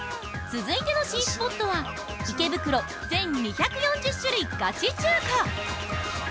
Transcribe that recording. ◆続いての新スポットは池袋、全２４０種類、ガチ中華。